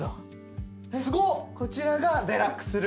こちらがデラックスルーム？